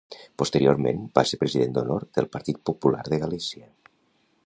Posteriorment va ser president d'honor del Partit Popular de Galícia.